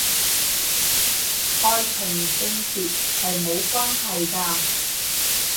愛同性別係無關係㗎